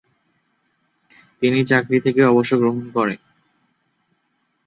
তিনি চাকরি থেকে অবসর গ্রহণ করেন।